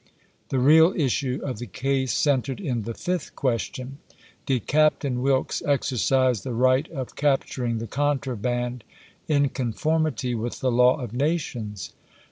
The real issue of the case centered in the fifth question :" Did Captain Wilkes exercise the right of capturing the contraband in conformity with the law of nations